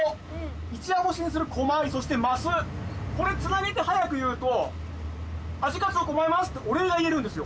一夜干しにするコマイそしてマスこれつなげて早く言うとアジカツオコマイマスってお礼が言えるんですよ